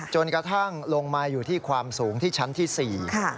จนกระทั่งลงมาอยู่ที่ความสูงที่ชั้นที่๔